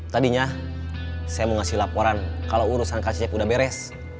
tadinya saya mau ngasih laporan kalau urusan kcip udah beres